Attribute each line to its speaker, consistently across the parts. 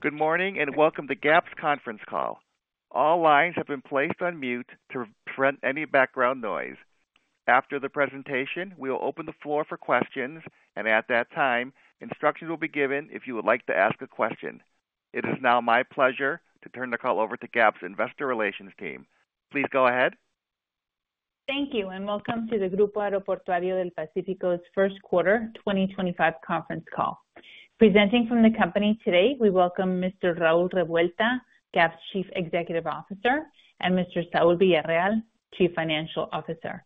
Speaker 1: Good morning and welcome to GAP's conference call. All lines have been placed on mute to prevent any background noise. After the presentation, we will open the floor for questions, and at that time, instructions will be given if you would like to ask a question. It is now my pleasure to turn the call over to GAP's Investor Relations team. Please go ahead.
Speaker 2: Thank you, and welcome to the Grupo Aeroportuario del Pacífico's First Quarter 2025 conference call. Presenting from the company today, we welcome Mr. Raúl Revuelta, GAP's Chief Executive Officer, and Mr. Saúl Villarreal, Chief Financial Officer.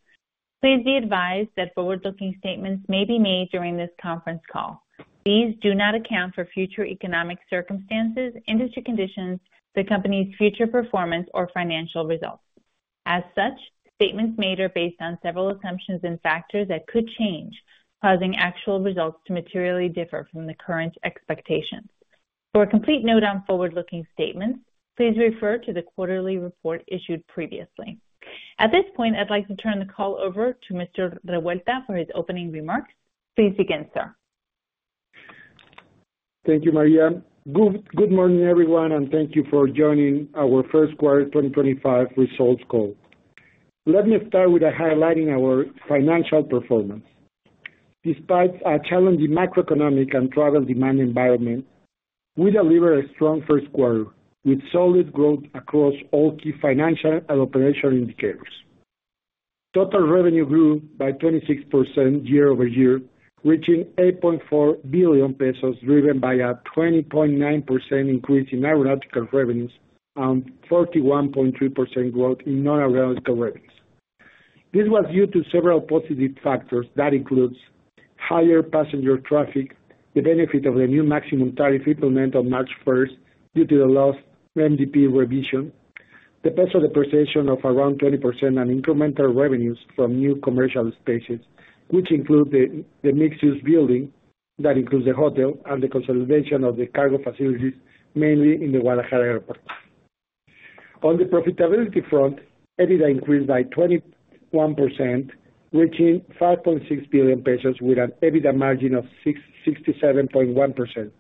Speaker 2: Please be advised that forward-looking statements may be made during this conference call. These do not account for future economic circumstances, industry conditions, the company's future performance, or financial results. As such, statements made are based on several assumptions and factors that could change, causing actual results to materially differ from the current expectations. For a complete note on forward-looking statements, please refer to the quarterly report issued previously. At this point, I'd like to turn the call over to Mr. Revuelta for his opening remarks. Please begin, sir.
Speaker 3: Thank you, Maria. Good morning, everyone, and thank you for joining our first quarter 2025 results call. Let me start with highlighting our financial performance. Despite a challenging macroeconomic and travel demand environment, we delivered a strong first quarter with solid growth across all key financial and operational indicators. Total revenue grew by 26% year-over-year, reaching 8.4 billion pesos, driven by a 20.9% increase in aeronautical revenues and 41.3% growth in non-aeronautical revenues. This was due to several positive factors that include higher passenger traffic, the benefit of the new maximum tariff implemented on March 1 due to the last Master Development Program revision, the peso depreciation of around 20%, and incremental revenues from new commercial spaces, which include the mixed-use building that includes the hotel and the consolidation of the cargo facilities, mainly in the Guadalajara Airport. On the profitability front, EBITDA increased by 21%, reaching 5.6 billion pesos, with an EBITDA margin of 67.1%.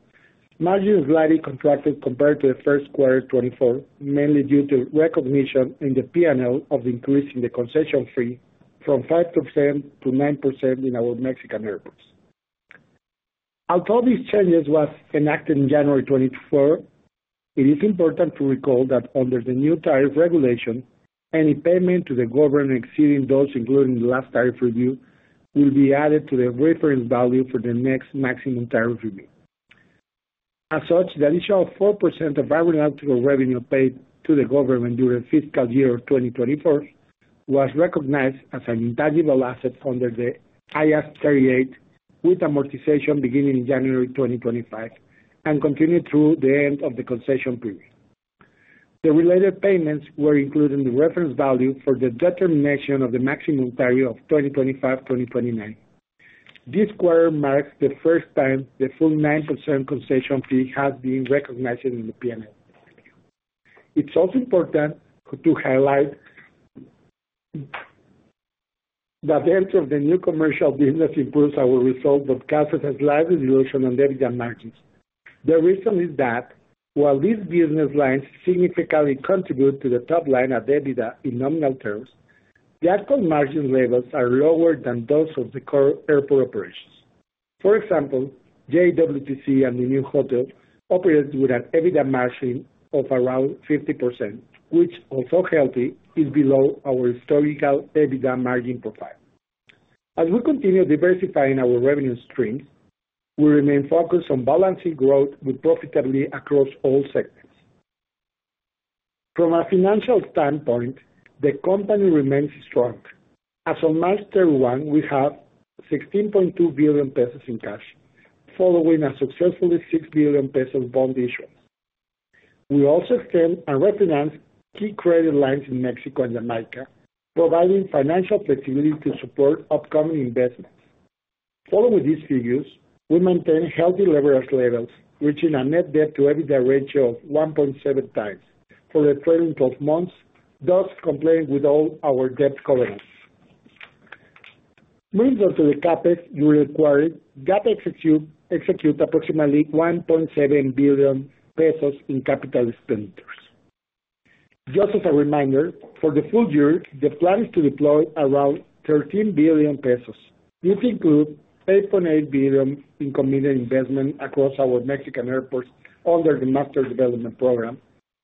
Speaker 3: Margins slightly contracted compared to the first quarter 2024, mainly due to recognition in the P&L of the increase in the concession fee from 5% to 9% in our Mexican airports. Although these changes were enacted in January 2024, it is important to recall that under the new tariff regulation, any payment to the government exceeding those, including the last tariff review, will be added to the reference value for the next maximum tariff review. As such, the additional 4% of aeronautical revenue paid to the government during fiscal year 2024 was recognized as an intangible asset under IAS 38, with amortization beginning in January 2025 and continuing through the end of the concession period. The related payments were included in the reference value for the determination of the maximum tariff of 2025-2029. This quarter marks the first time the full 9% concession fee has been recognized in the P&L. It's also important to highlight that the entry of the new commercial business improves our results but causes a slight dilution and EBITDA margins. The reason is that while these business lines significantly contribute to the top line of EBITDA in nominal terms, the actual margin levels are lower than those of the core airport operations. For example, GWTC and the new hotel operate with an EBITDA margin of around 50%, which, although healthy, is below our historical EBITDA margin profile. As we continue diversifying our revenue streams, we remain focused on balancing growth with profitability across all segments. From a financial standpoint, the company remains strong. As of March 31, we have 16.2 billion pesos in cash, following a successful 6 billion pesos bond issuance. We also extend and refinance key credit lines in Mexico and Jamaica, providing financial flexibility to support upcoming investments. Following these figures, we maintain healthy leverage levels, reaching a net debt-to-EBITDA ratio of 1.7 times for the following 12 months, thus complying with all our debt covenants. Moving on to the CapEx during the quarter, GAP executes approximately 1.7 billion pesos in capital expenditures. Just as a reminder, for the full year, the plan is to deploy around 13 billion pesos. This includes 8.8 billion in committed investment across our Mexican airports under the Master Development Program.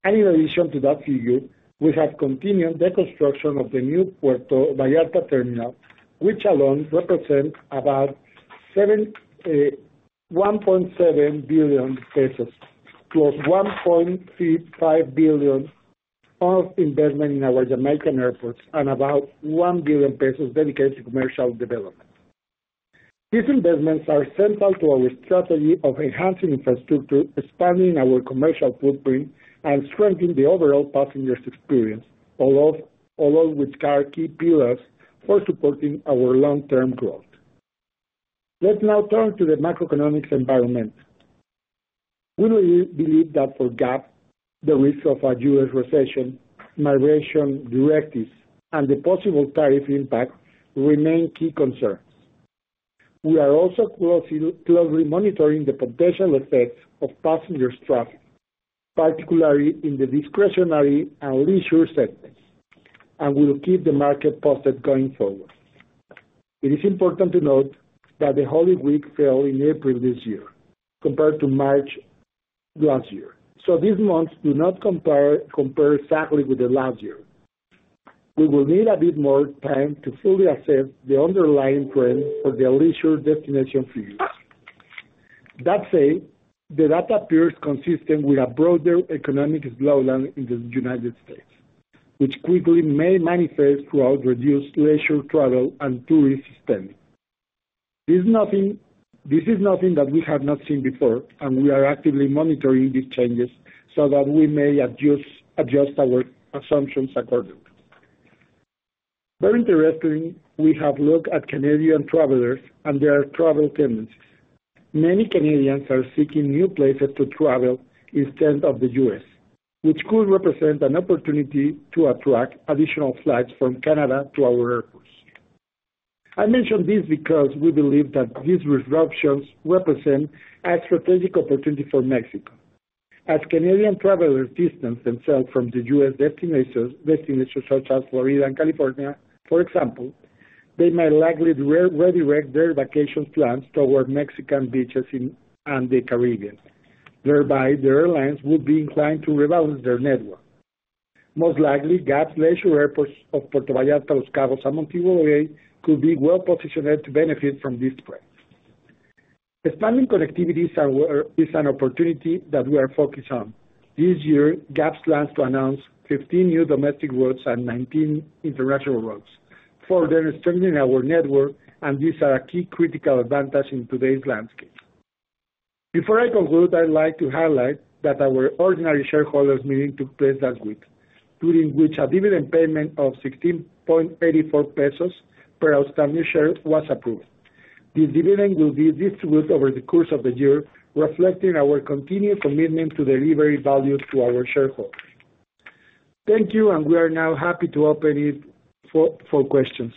Speaker 3: In addition to that figure, we have continued the construction of the new Puerto Vallarta terminal, which alone represents about 1.7 billion pesos, plus 1.35 billion of investment in our Jamaican airports and about 1 billion pesos dedicated to commercial development. These investments are central to our strategy of enhancing infrastructure, expanding our commercial footprint, and strengthening the overall passengers' experience, all of which are key pillars for supporting our long-term growth. Let's now turn to the macroeconomic environment. We believe that for GAP, the risk of a U.S. recession, migration directives, and the possible tariff impact remain key concerns. We are also closely monitoring the potential effects of passengers' traffic, particularly in the discretionary and leisure sectors, and we'll keep the market posted going forward. It is important to note that the Holy Week fell in April this year compared to March last year, so these months do not compare exactly with the last year. We will need a bit more time to fully assess the underlying trend for the leisure destination figures. That said, the data appears consistent with a broader economic slowdown in the U.S., which quickly may manifest throughout reduced leisure travel and tourist spending. This is nothing that we have not seen before, and we are actively monitoring these changes so that we may adjust our assumptions accordingly. Very interestingly, we have looked at Canadian travelers and their travel tendencies. Many Canadians are seeking new places to travel instead of the U.S., which could represent an opportunity to attract additional flights from Canada to our airports. I mention this because we believe that these disruptions represent a strategic opportunity for Mexico. As Canadian travelers distance themselves from U.S. destinations such as Florida and California, for example, they may likely redirect their vacation plans toward Mexican beaches and the Caribbean, whereby their airlines would be inclined to rebalance their network. Most likely, GAP's leisure airports of Puerto Vallarta, Los Cabos, and Montego Bay could be well-positioned to benefit from this spread. Expanding connectivity is an opportunity that we are focused on. This year, GAP plans to announce 15 new domestic routes and 19 international routes further strengthening our network, and these are a key critical advantage in today's landscape. Before I conclude, I'd like to highlight that our ordinary shareholders' meeting took place last week, during which a dividend payment of 16.84 pesos per outstanding share was approved. This dividend will be distributed over the course of the year, reflecting our continued commitment to delivering value to our shareholders. Thank you, and we are now happy to open it for questions.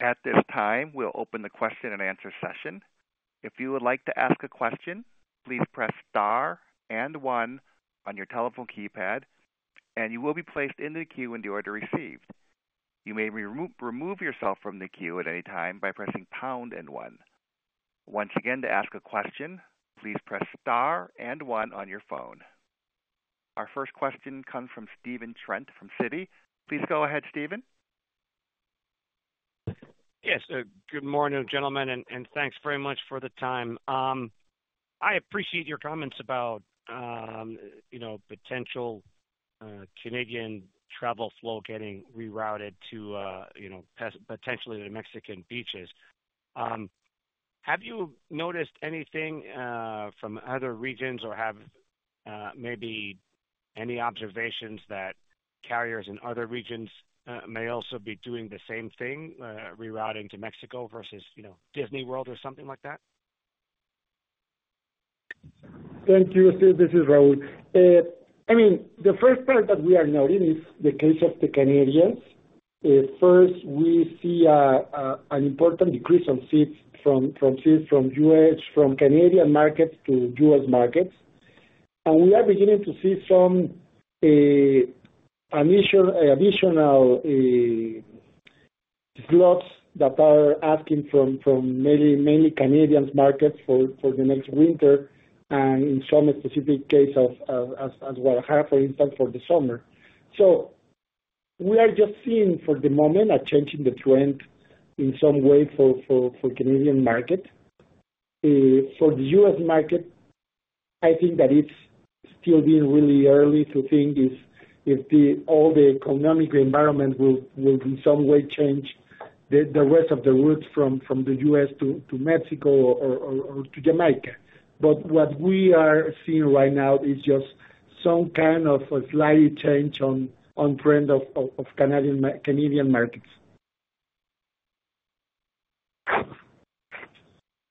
Speaker 1: At this time, we'll open the question and answer session. If you would like to ask a question, please press star and one on your telephone keypad, and you will be placed in the queue in the order received. You may remove yourself from the queue at any time by pressing pound and one. Once again, to ask a question, please press star and one on your phone. Our first question comes from Stephen Trent from Citigroup. Please go ahead, Stephen.
Speaker 4: Yes, good morning, gentlemen, and thanks very much for the time. I appreciate your comments about potential Canadian travel flow getting rerouted to potentially the Mexican beaches. Have you noticed anything from other regions or have maybe any observations that carriers in other regions may also be doing the same thing, rerouting to Mexico versus Disney World or something like that?
Speaker 3: Thank you, Stephen. This is Raúl. I mean, the first part that we are noting is the case of the Canadians. First, we see an important decrease in seats from U.S. from Canadian markets to U.S. markets. We are beginning to see some additional slots that are asking from mainly Canadian markets for the next winter and in some specific case of Guadalajara, for instance, for the summer. We are just seeing for the moment a change in the trend in some way for the Canadian market. For the U.S. market, I think that it's still being really early to think if all the economic environment will in some way change the rest of the routes from the U.S. to Mexico or to Jamaica. What we are seeing right now is just some kind of a slight change on trend of Canadian markets.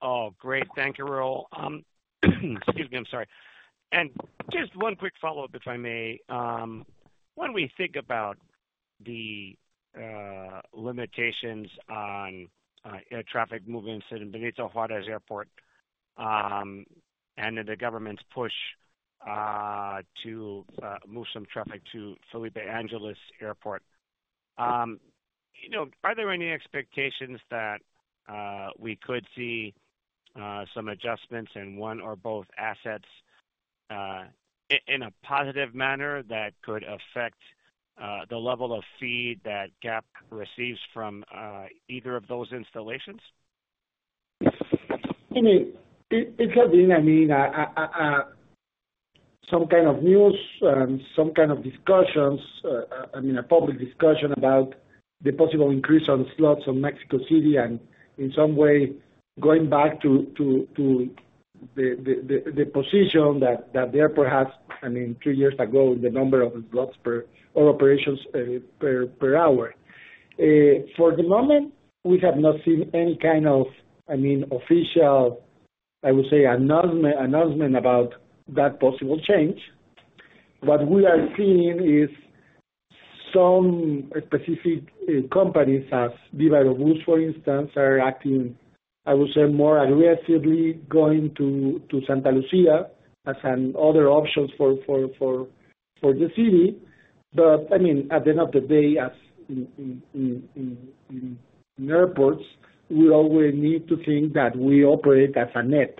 Speaker 4: Oh, great. Thank you, Raúl. Excuse me, I'm sorry. Just one quick follow-up, if I may. When we think about the limitations on traffic movements in Benito Juárez Airport and the government's push to move some traffic to Felipe Ángeles Airport, are there any expectations that we could see some adjustments in one or both assets in a positive manner that could affect the level of fee that GAP receives from either of those installations?
Speaker 3: I mean, it's something, I mean, some kind of news and some kind of discussions, I mean, a public discussion about the possible increase on slots in Mexico City and in some way going back to the position that there perhaps, I mean, two years ago, the number of slots per operations per hour. For the moment, we have not seen any kind of, I mean, official, I would say, announcement about that possible change. What we are seeing is some specific companies, as Viva Aerobus, for instance, are acting, I would say, more aggressively going to Santa Lucia as another option for the city. I mean, at the end of the day, as in airports, we always need to think that we operate as a net.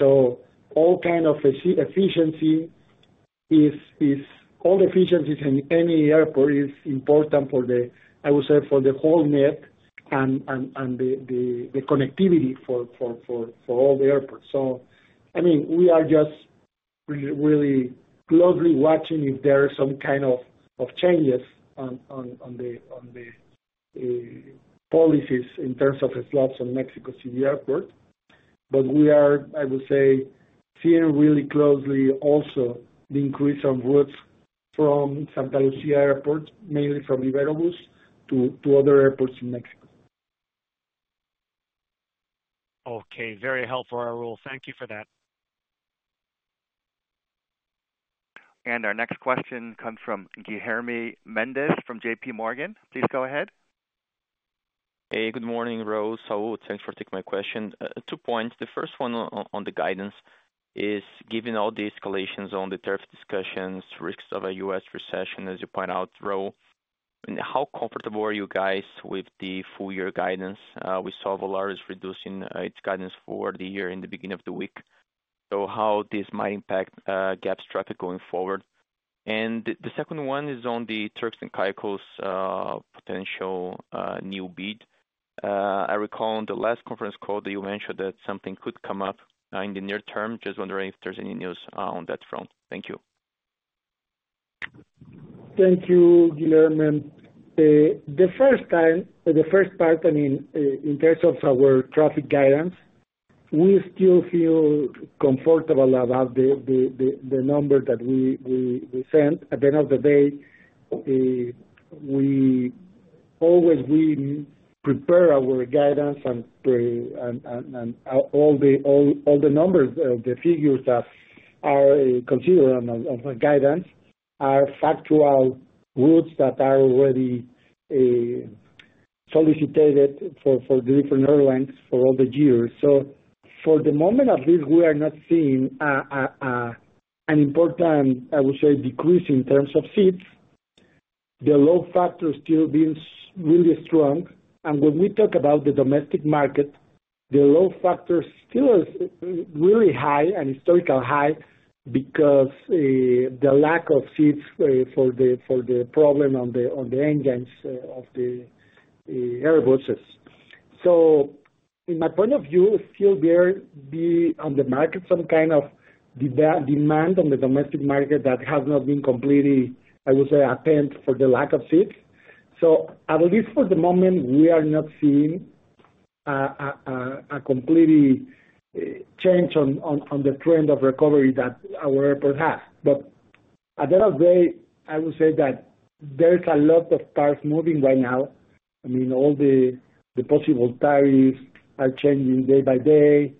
Speaker 3: All kind of efficiency, all efficiencies in any airport, is important for the, I would say, for the whole net and the connectivity for all the airports. I mean, we are just really closely watching if there are some kind of changes on the policies in terms of slots on Mexico City Airport. We are, I would say, seeing really closely also the increase on routes from Santa Lucia Airport, mainly from Viva Aerobus, to other airports in Mexico.
Speaker 4: Okay. Very helpful, Raúl. Thank you for that.
Speaker 1: Our next question comes from Guilherme Mendes from JPMorgan. Please go ahead.
Speaker 5: Hey, good morning, Raúl. Thanks for taking my question. Two points. The first one on the guidance is given all the escalations on the tariff discussions, risks of a U.S. recession, as you point out, Raúl. How comfortable are you guys with the full-year guidance? We saw Volaris reducing its guidance for the year in the beginning of the week. How might this impact GAP's traffic going forward? The second one is on the Turks and Caicos potential new bid. I recall on the last conference call that you mentioned that something could come up in the near term. Just wondering if there's any news on that front. Thank you.
Speaker 3: Thank you, Guilherme. The first time, the first part, I mean, in terms of our traffic guidance, we still feel comfortable about the number that we sent. At the end of the day, we always prepare our guidance and all the numbers, the figures that are considered on the guidance are factual routes that are already solicited for the different airlines for all the years. For the moment, at least, we are not seeing an important, I would say, decrease in terms of seats. The load factor is still being really strong. When we talk about the domestic market, the load factor is still really high, a historical high, because the lack of seats for the problem on the engines of the Airbuses. In my point of view, it still be on the market some kind of demand on the domestic market that has not been completely, I would say, attended for the lack of seats. At least for the moment, we are not seeing a complete change on the trend of recovery that our airport has. At the end of the day, I would say that there's a lot of cars moving right now. I mean, all the possible tariffs are changing day by day.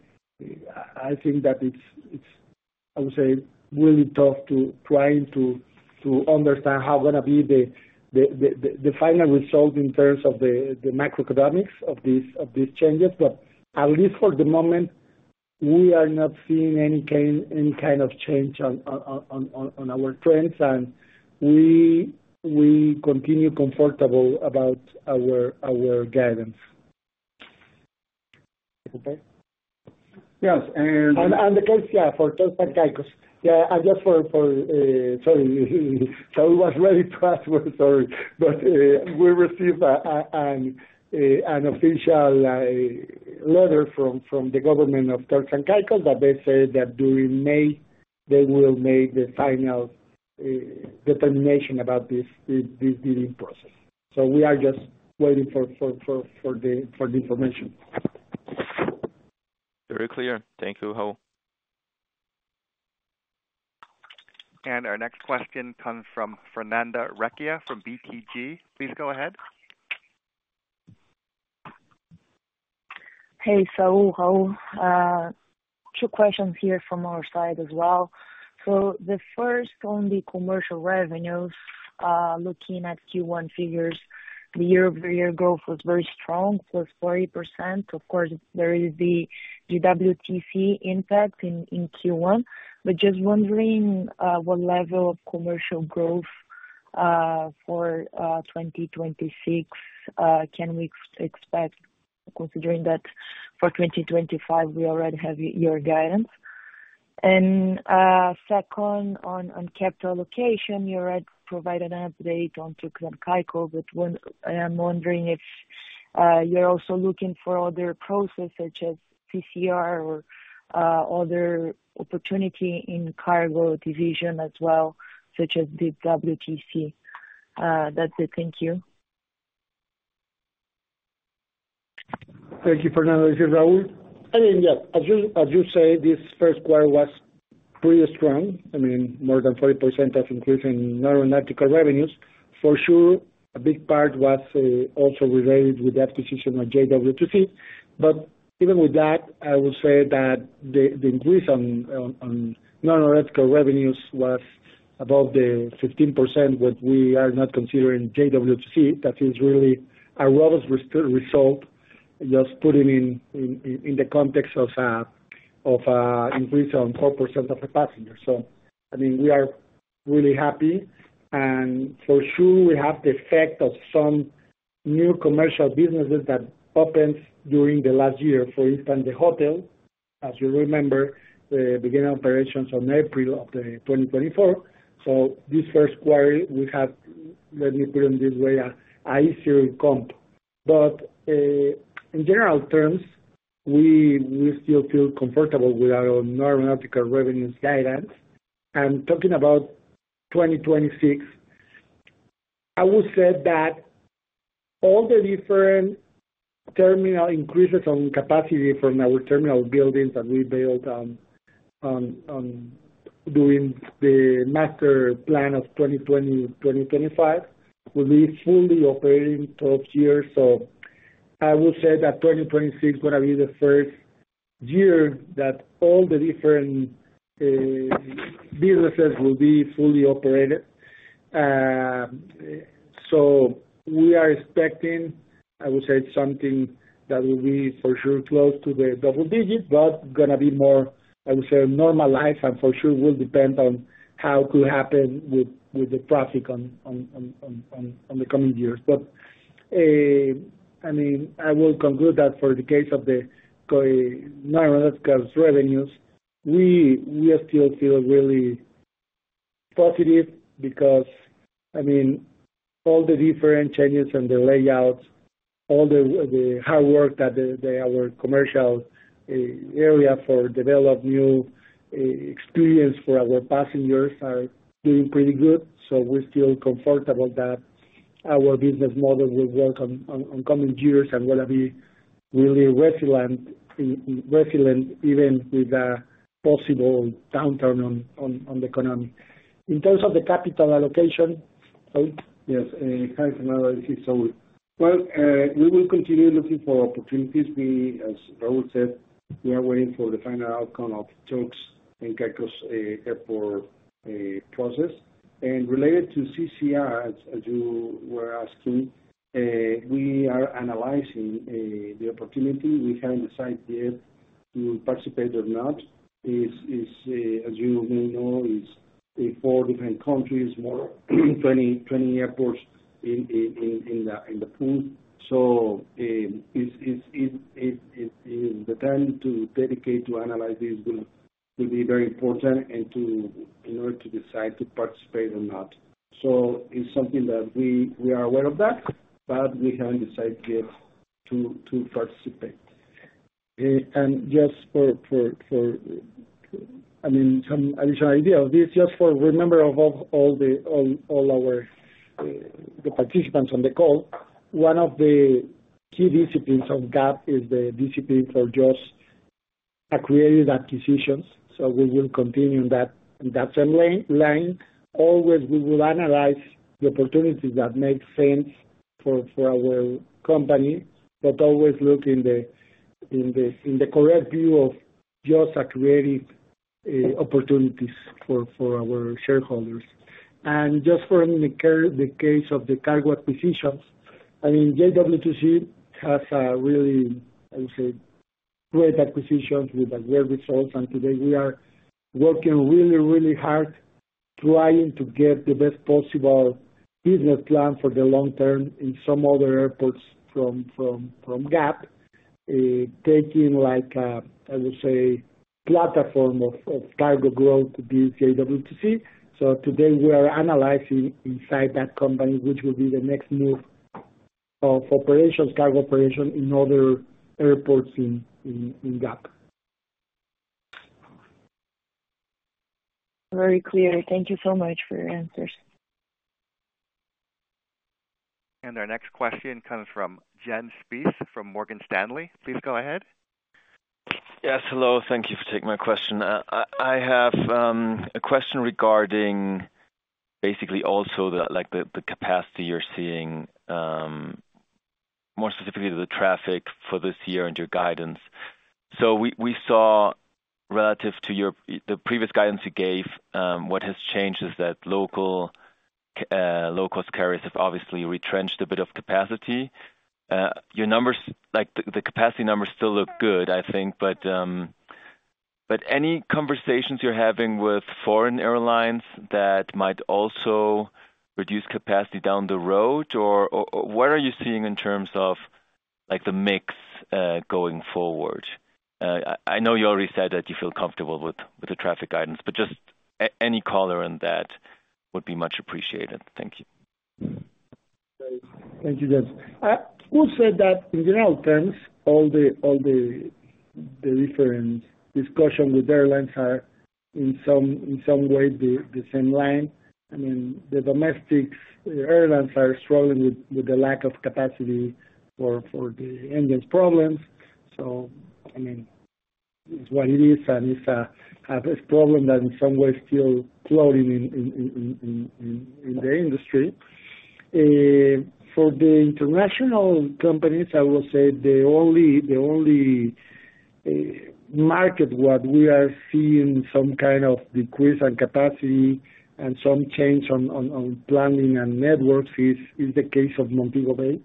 Speaker 3: I think that it's, I would say, really tough trying to understand how going to be the final result in terms of the macroeconomics of these changes. At least for the moment, we are not seeing any kind of change on our trends, and we continue comfortable about our guidance. Yes. The case, yeah, for Turks and Caicos. Yeah, and just for, sorry, Saúl was ready to ask. Sorry. We received an official letter from the government of Turks and Caicos that they said that during May, they will make the final determination about this bidding process. We are just waiting for the information.
Speaker 5: Very clear. Thank you, Raúl.
Speaker 1: Our next question comes from Fernanda Recchia from BTG. Please go ahead.
Speaker 6: Hey, Saúl, Raúl. Two questions here from our side as well. The first, on the commercial revenues, looking at Q1 figures, the year-over-year growth was very strong, plus 40%. Of course, there is the GWTC impact in Q1. Just wondering what level of commercial growth for 2026 can we expect, considering that for 2025, we already have your guidance. Second, on capital allocation, you already provided an update on Turks and Caicos, but I'm wondering if you're also looking for other processes such as CCR or other opportunity in cargo division as well, such as the WTC. That's it. Thank you.
Speaker 3: Thank you, Fernanda. This is Raúl. I mean, yeah, as you say, this first quarter was pretty strong. I mean, more than 40% of increase in non-aeronautical revenues. For sure, a big part was also related with the acquisition of GWTC. Even with that, I would say that the increase on non-aeronautical revenues was above the 15% if we are not considering GWTC. That is really a robust result, just putting in the context of an increase on 4% of the passengers. I mean, we are really happy. For sure, we have the effect of some new commercial businesses that opened during the last year. For instance, the hotel, as you remember, began operations in April of 2024. This first quarter, we have, let me put it this way, an easy comp. In general terms, we still feel comfortable with our non-aeronautical revenues guidance. Talking about 2026, I would say that all the different terminal increases on capacity from our terminal buildings that we built during the master plan of 2020-2025 will be fully operating twelve years. I would say that 2026 is going to be the first year that all the different businesses will be fully operated. We are expecting, I would say, something that will be for sure close to the double digit, but going to be more, I would say, normalized and for sure will depend on how it could happen with the traffic on the coming years. I mean, I will conclude that for the case of the non-aeronautical revenues, we still feel really positive because, I mean, all the different changes and the layouts, all the hard work that our commercial area for developing new experience for our passengers are doing pretty good. We feel comfortable that our business model will work in coming years and is going to be really resilient, even with a possible downturn in the economy. In terms of the capital allocation, Saúl?
Speaker 7: Yes. Thanks, Fernanda. This is Saúl. We will continue looking for opportunities. As Raúl said, we are waiting for the final outcome of Turks and Caicos Airport process. Related to CCR, as you were asking, we are analyzing the opportunity. We have not decided yet to participate or not. As you may know, it is four different countries, more than 20 airports in the pool. The time to dedicate to analyze this will be very important in order to decide to participate or not. It is something that we are aware of, but we have not decided yet to participate. Just for some additional idea of this, just to remind all the participants on the call, one of the key disciplines of GAP is the discipline for just accretive acquisitions. We will continue in that same line. Always, we will analyze the opportunities that make sense for our company, but always look in the correct view of just accretive opportunities for our shareholders. Just for the case of the cargo acquisitions, GWTC has really, I would say, great acquisitions with great results. Today, we are working really, really hard trying to get the best possible business plan for the long term in some other airports from GAP, taking, like, I would say, platform of cargo growth to be GWTC. Today, we are analyzing inside that company which will be the next move of operations, cargo operation in other airports in GAP.
Speaker 6: Very clear. Thank you so much for your answers.
Speaker 1: Our next question comes from Jens Spiess from Morgan Stanley. Please go ahead.
Speaker 8: Yes. Hello. Thank you for taking my question. I have a question regarding basically also the capacity you're seeing, more specifically the traffic for this year and your guidance. We saw relative to the previous guidance you gave, what has changed is that local carriers have obviously retrenched a bit of capacity. The capacity numbers still look good, I think. Any conversations you're having with foreign airlines that might also reduce capacity down the road? What are you seeing in terms of the mix going forward? I know you already said that you feel comfortable with the traffic guidance, but just any color on that would be much appreciated. Thank you.
Speaker 3: Thank you, Jens. I would say that in general terms, all the different discussions with airlines are in some way the same line. I mean, the domestic airlines are struggling with the lack of capacity for the engines' problems. I mean, it's what it is. And it's a problem that in some way is still floating in the industry. For the international companies, I will say the only market where we are seeing some kind of decrease in capacity and some change on planning and networks is the case of Montego Bay.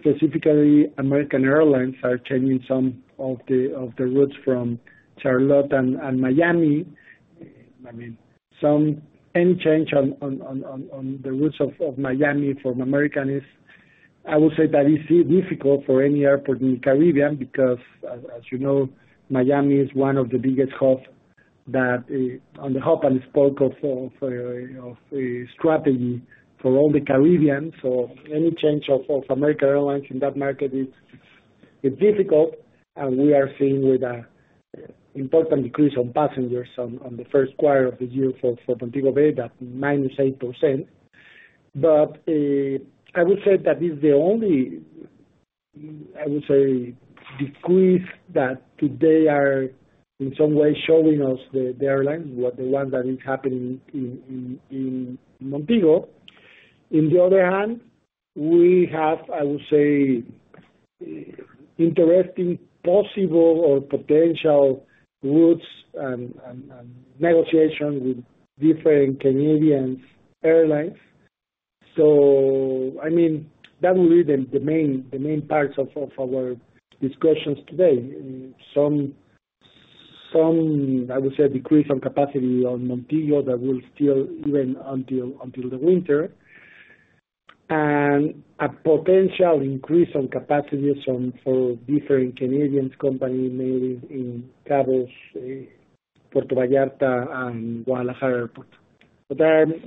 Speaker 3: Specifically, American Airlines are changing some of the routes from Charlotte and Miami. I mean, any change on the routes of Miami from American is, I would say, that it's difficult for any airport in the Caribbean because, as you know, Miami is one of the biggest hubs that on the hub and spoke of strategy for all the Caribbean. Any change of American Airlines in that market is difficult. We are seeing with an important decrease on passengers on the first quarter of the year for Montego Bay, that minus 8%. I would say that is the only, I would say, decrease that today are in some way showing us the airlines, the ones that are happening in Montego. On the other hand, we have, I would say, interesting possible or potential routes and negotiations with different Canadian airlines. I mean, that will be the main parts of our discussions today. Some, I would say, decrease on capacity on Montego that will still be until the winter. A potential increase on capacities for different Canadian companies mainly in Cabos, Puerto Vallarta, and Guadalajara Airport.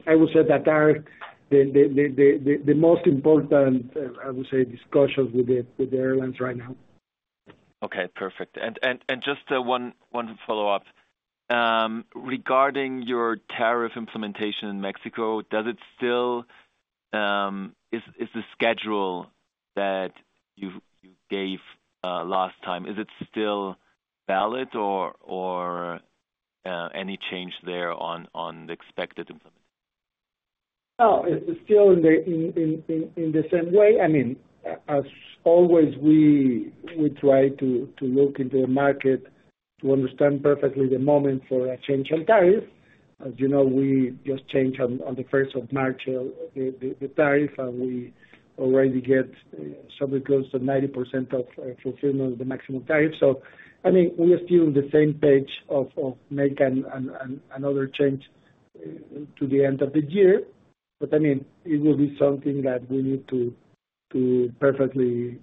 Speaker 3: I would say that are the most important, I would say, discussions with the airlines right now.
Speaker 8: Okay. Perfect. Just one follow-up. Regarding your tariff implementation in Mexico, does it still is the schedule that you gave last time, is it still valid or any change there on the expected implementation?
Speaker 3: Oh, it's still in the same way. I mean, as always, we try to look into the market to understand perfectly the moment for a change in tariff. As you know, we just changed on the 1st of March the tariff, and we already get something close to 90% of fulfillment of the maximum tariff. I mean, we are still on the same page of making another change to the end of the year. I mean, it will be something that we need to perfectly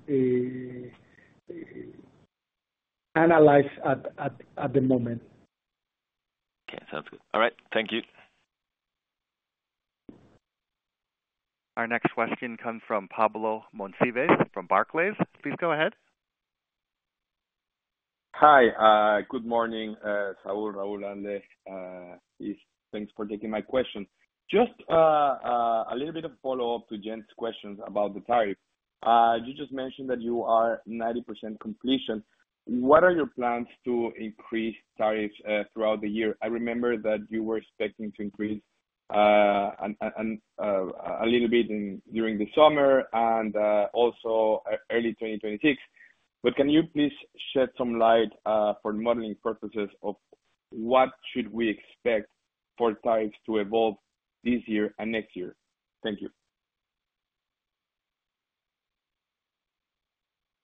Speaker 3: analyze at the moment.
Speaker 8: Okay. Sounds good. All right. Thank you.
Speaker 1: Our next question comes from Pablo Monsivais from Barclays. Please go ahead.
Speaker 9: Hi. Good morning, Saúl, Raúl, Alejandra. Thanks for taking my question. Just a little bit of follow-up to Jens' questions about the tariff. You just mentioned that you are 90% completion. What are your plans to increase tariffs throughout the year? I remember that you were expecting to increase a little bit during the summer and also early 2026. Can you please shed some light for modeling purposes of what should we expect for tariffs to evolve this year and next year? Thank you.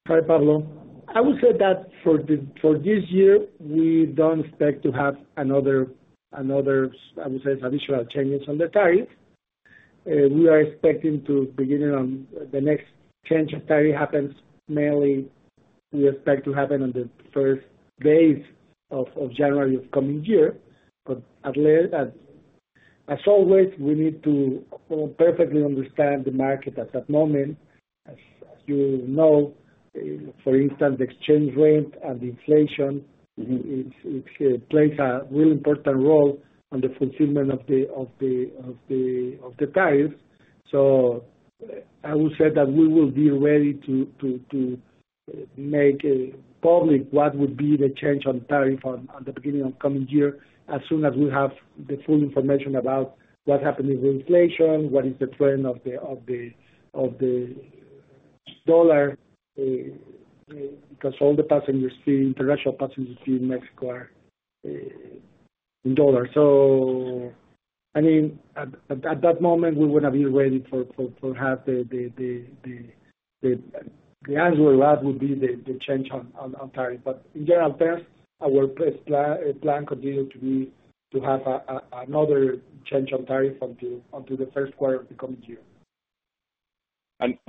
Speaker 3: Hi, Pablo. I would say that for this year, we don't expect to have another, I would say, additional changes on the tariff. We are expecting to begin the next change of tariff happens mainly we expect to happen on the first days of January of coming year. As always, we need to perfectly understand the market at that moment. As you know, for instance, the exchange rate and the inflation plays a really important role in the fulfillment of the tariffs. I would say that we will be ready to make public what would be the change on tariff at the beginning of coming year as soon as we have the full information about what's happening with inflation, what is the trend of the dollar, because all the international passengers in Mexico are in dollars. I mean, at that moment, we're going to be ready to have the answer that would be the change on tariff. In general terms, our plan continues to be to have another change on tariff until the first quarter of the coming year.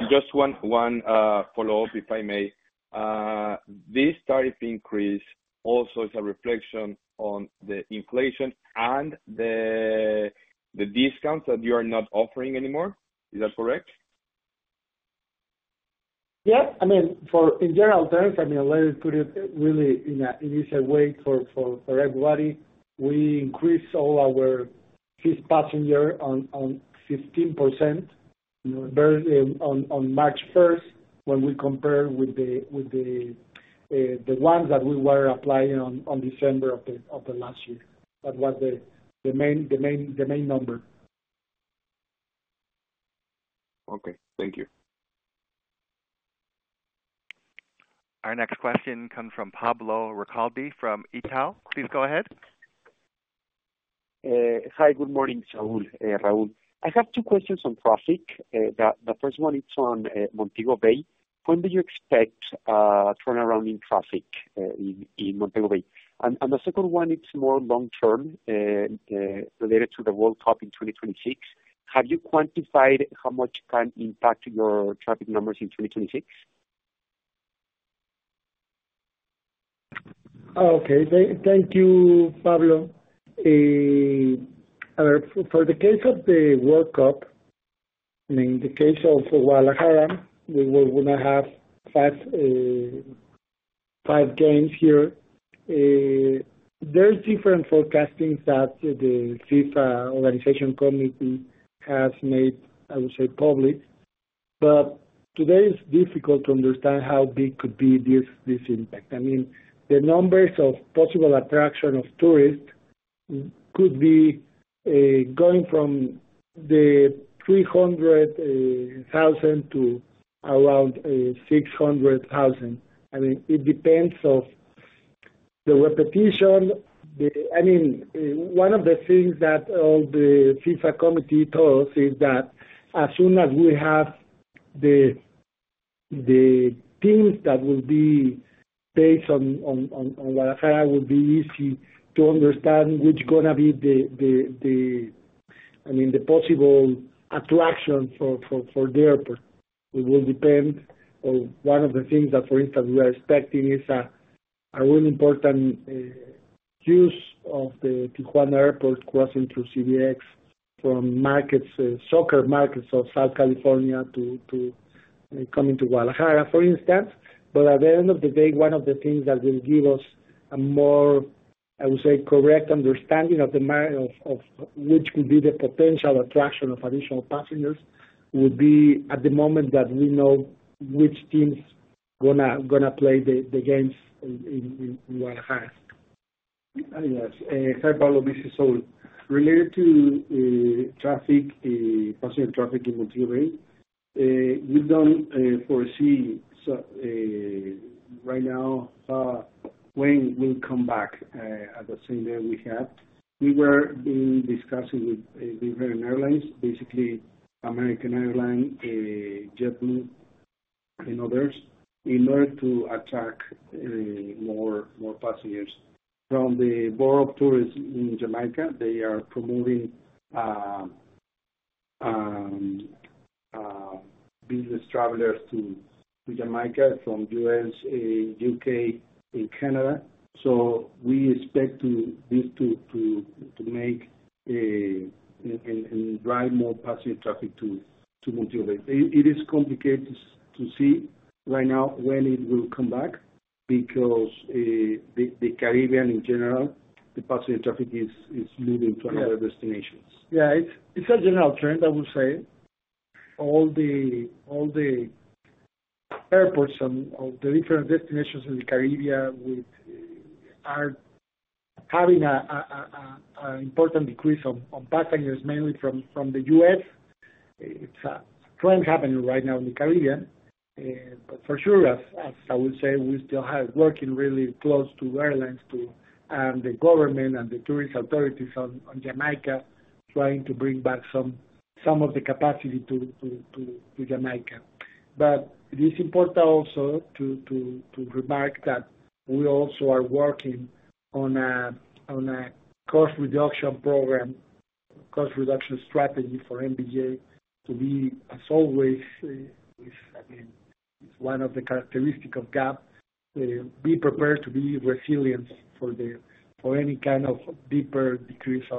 Speaker 9: Just one follow-up, if I may. This tariff increase also is a reflection on the inflation and the discounts that you are not offering anymore. Is that correct?
Speaker 3: Yeah. I mean, in general terms, let me put it really in a way for everybody. We increased all our fixed passenger on 15% on March 1 when we compared with the ones that we were applying on December of the last year. That was the main number.
Speaker 9: Okay. Thank you.
Speaker 1: Our next question comes from Pablo Ricalde from Itaú. Please go ahead.
Speaker 10: Hi. Good morning, Saúl, Raúl. I have two questions on traffic. The first one, it's on Montego Bay. When do you expect turnaround in traffic in Montego Bay? The second one, it's more long-term related to the World Cup in 2026. Have you quantified how much can impact your traffic numbers in 2026?
Speaker 3: Okay. Thank you, Pablo. For the case of the World Cup, I mean, the case of Guadalajara, we're going to have five games here. There are different forecastings that the FIFA Organization Committee has made, I would say, public. Today, it's difficult to understand how big could be this impact. The numbers of possible attraction of tourists could be going from 300,000 to around 600,000. It depends on the repetition. One of the things that all the FIFA committee told us is that as soon as we have the teams that will be based on Guadalajara, it will be easy to understand which is going to be the possible attraction for the airport. It will depend. One of the things that, for instance, we are expecting is a really important use of the Tijuana Airport crossing through CBX from soccer markets of Southern California to coming to Guadalajara, for instance. At the end of the day, one of the things that will give us a more, I would say, correct understanding of which could be the potential attraction of additional passengers would be at the moment that we know which teams are going to play the games in Guadalajara. Yes. Hi, Pablo. This is Saúl. Related to traffic, passenger traffic in Montego Bay, we do not foresee right now when we will come back at the same day we have. We were discussing with different airlines, basically American Airlines, JetBlue, and others, in order to attract more passengers. From the Board of Tourism in Jamaica, they are promoting business travelers to Jamaica from the U.S., U.K., and Canada. We expect this to make and drive more passenger traffic to Montego Bay. It is complicated to see right now when it will come back because the Caribbean, in general, the passenger traffic is moving to other destinations. Yeah. It is a general trend, I would say. All the airports of the different destinations in the Caribbean are having an important decrease on passengers, mainly from the U.S. It is a trend happening right now in the Caribbean. For sure, as I would say, we still have working really close to airlines and the government and the tourist authorities on Jamaica trying to bring back some of the capacity to Jamaica. It is important also to remark that we also are working on a cost reduction program, cost reduction strategy for MBJ to be, as always, I mean, one of the characteristics of GAP, be prepared to be resilient for any kind of deeper decrease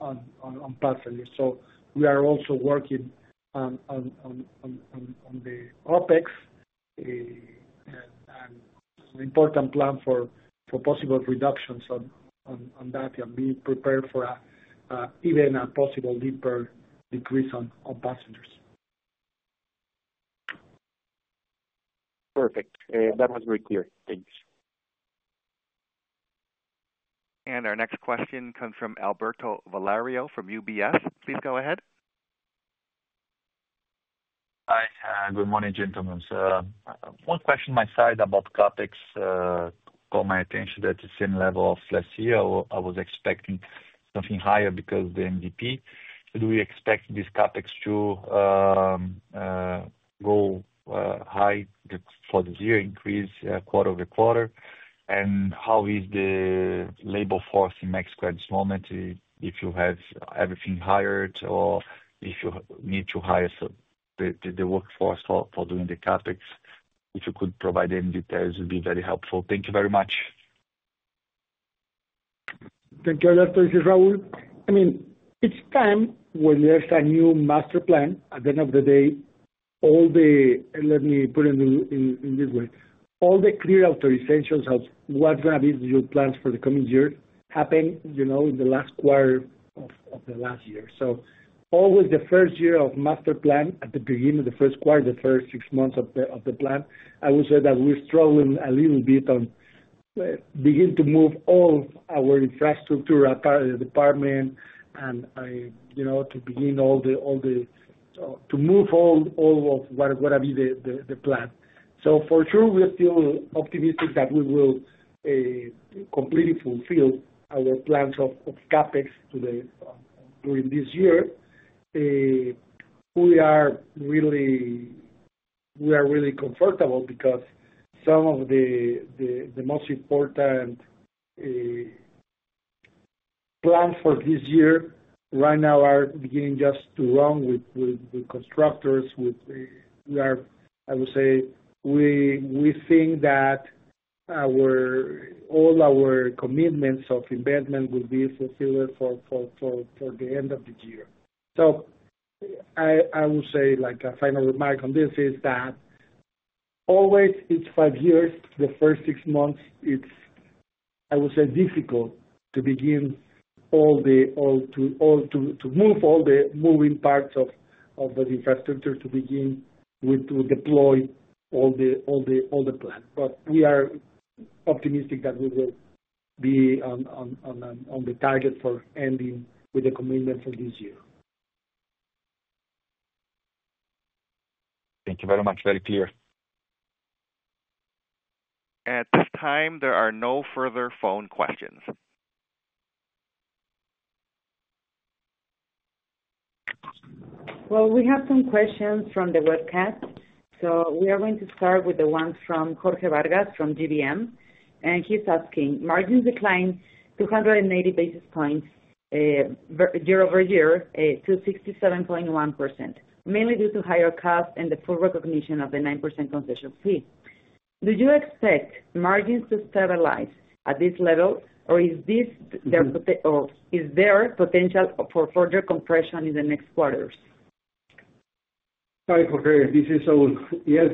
Speaker 3: on passengers. We are also working on the OPEX and an important plan for possible reductions on that and be prepared for even a possible deeper decrease on passengers.
Speaker 10: Perfect. That was very clear. Thanks.
Speaker 1: Our next question comes from Alberto Valerio from UBS. Please go ahead.
Speaker 11: Hi. Good morning, gentlemen. One question on my side about CapEx caught my attention at the same level of last year. I was expecting something higher because the MDP. Do we expect this CapEx to go high for this year increase quarter over quarter? How is the labor force in Mexico at this moment if you have everything hired or if you need to hire the workforce for doing the CapEx? If you could provide any details, it would be very helpful. Thank you very much.
Speaker 3: Thank you, Alberto. This is Raúl. I mean, it's time when there's a new master plan. At the end of the day, all the—let me put it in this way—all the clear authorizations of what's going to be the new plans for the coming year happen in the last quarter of the last year. Always the first year of master plan, at the beginning of the first quarter, the first six months of the plan, I would say that we're struggling a little bit on beginning to move all our infrastructure at the department and to begin all the—to move all of what are going to be the plan. For sure, we're still optimistic that we will completely fulfill our plans of CapEx during this year. We are really comfortable because some of the most important plans for this year right now are beginning just to run with constructors. We are, I would say, we think that all our commitments of investment will be fulfilled for the end of the year. I would say a final remark on this is that always it's five years. The first six months, it's, I would say, difficult to begin all to move all the moving parts of the infrastructure to begin to deploy all the plan. We are optimistic that we will be on the target for ending with the commitment for this year.
Speaker 11: Thank you very much. Very clear.
Speaker 1: At this time, there are no further phone questions.
Speaker 2: We have some questions from the webcast. We are going to start with the ones from Jorge Vargas from GBM. He is asking, "Margins declined 280 basis points year-over-year to 67.1%, mainly due to higher costs and the full recognition of the 9% concession fee. Do you expect margins to stabilize at this level, or is there potential for further compression in the next quarters?
Speaker 7: Hi, Jorge. This is Saúl. Yes.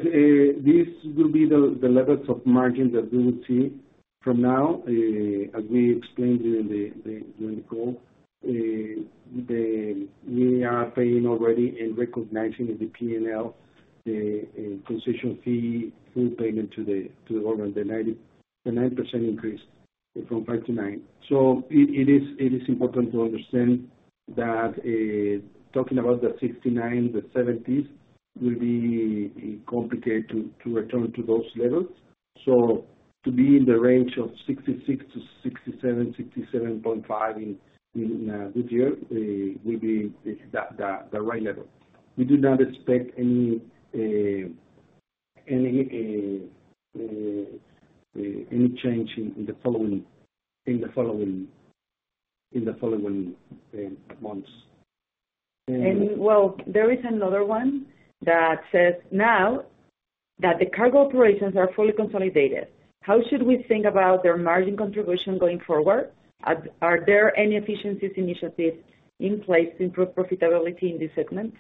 Speaker 7: These will be the levels of margin that we will see from now, as we explained during the call. We are paying already and recognizing in the P&L the concession fee full payment to the government, the 9% increase from 5% to 9%. It is important to understand that talking about the 69%, the 70% will be complicated to return to those levels. To be in the range of 66%-67%, 67.5% in this year will be the right level. We do not expect any change in the following months.
Speaker 2: There is another one that says now that the cargo operations are fully consolidated. How should we think about their margin contribution going forward? Are there any efficiencies initiatives in place to improve profitability in this segment?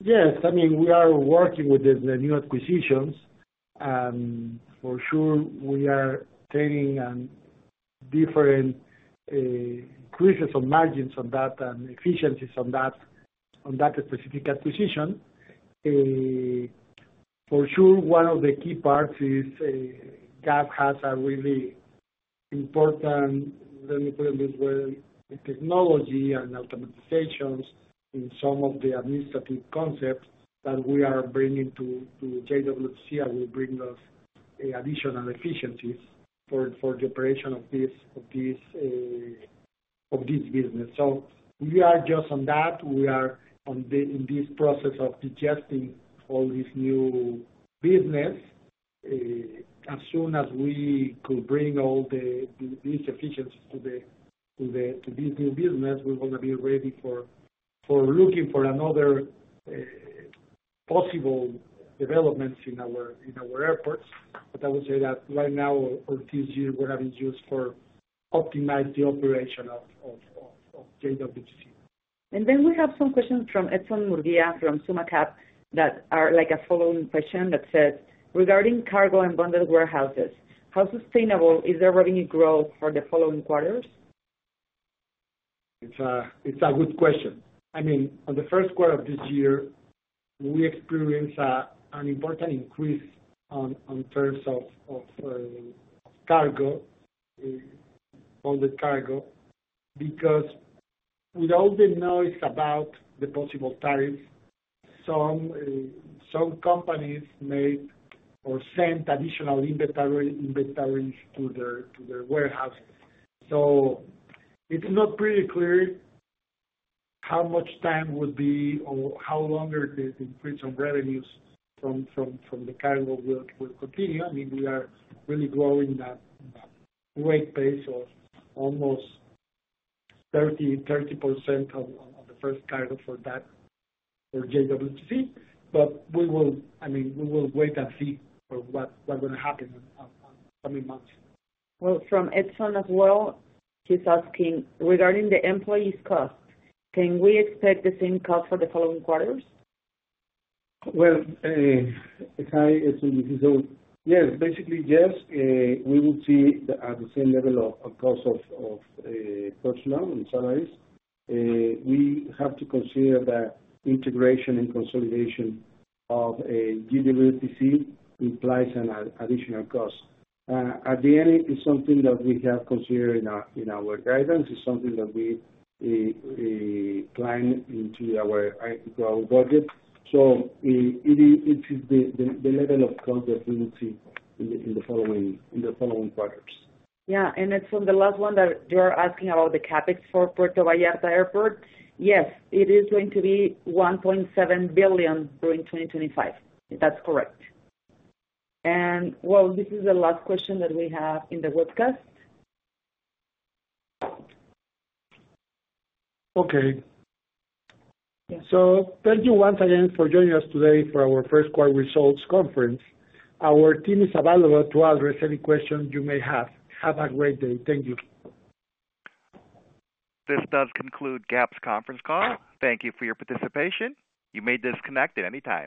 Speaker 3: Yes. I mean, we are working with the new acquisitions. For sure, we are taking different increases on margins on that and efficiencies on that specific acquisition. For sure, one of the key parts is GAP has a really important, let me put it this way, technology and automatizations in some of the administrative concepts that we are bringing to GWTC that will bring us additional efficiencies for the operation of this business. We are just on that. We are in this process of digesting all this new business. As soon as we could bring all these efficiencies to this new business, we're going to be ready for looking for another possible development in our airports. I would say that right now or this year we're going to be used for optimizing the operation of GWTC.
Speaker 2: We have some questions from Edson Murguia from SummaCap that are like a following question that says, "Regarding cargo and bonded warehouses, how sustainable is the revenue growth for the following quarters?
Speaker 3: It's a good question. I mean, on the first quarter of this year, we experienced an important increase in terms of cargo, bonded cargo, because with all the noise about the possible tariffs, some companies made or sent additional inventories to their warehouses. So it's not pretty clear how much time will be or how long the increase in revenues from the cargo will continue. I mean, we are really growing at a rate pace of almost 30% on the first cargo for GWTC. I mean, we will wait and see what's going to happen in the coming months.
Speaker 2: From Edson as well, he's asking, "Regarding the employees' cost, can we expect the same cost for the following quarters?
Speaker 7: Hi, Edson. This is Saúl. Yes. Basically, yes. We will see at the same level of cost of personnel and salaries. We have to consider that integration and consolidation of GWTC implies an additional cost. At the end, it's something that we have considered in our guidance. It's something that we plan into our budget. It is the level of cost that we will see in the following quarters.
Speaker 2: Yeah. Edson, the last one that you're asking about the CapEx for Puerto Vallarta Airport, yes, it is going to be 1.7 billion during 2025. That's correct. This is the last question that we have in the webcast.
Speaker 3: Thank you once again for joining us today for our first quarter results conference. Our team is available to address any questions you may have. Have a great day. Thank you.
Speaker 1: This does conclude GAP's conference call. Thank you for your participation. You may disconnect at any time.